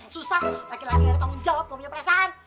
susah lagi lagi ada tanggung jawab gak punya perasaan